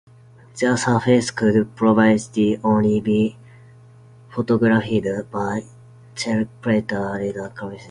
Their surfaces could previously only be photographed by helicopter radar equipment.